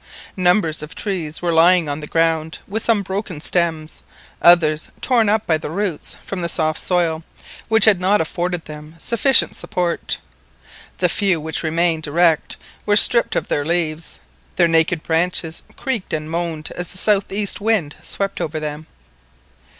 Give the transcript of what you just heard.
Numbers of trees were lying on the ground, some with broken stems, others torn up by the roots from the soft soil, which had not afforded them sufficient support. The few which remained erect were stripped of their leaves, and their naked branches creaked and moaned as the south east wind swept over them.